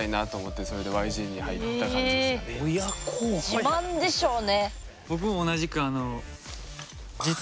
自慢でしょうね。